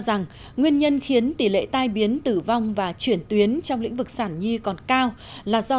rằng nguyên nhân khiến tỷ lệ tai biến tử vong và chuyển tuyến trong lĩnh vực sản nhi còn cao là do